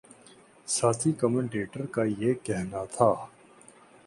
ساتھی کمنٹیٹر کا یہ کہنا تھا